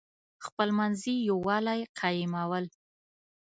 خپلمنځي یوالی قایمول.